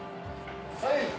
はい。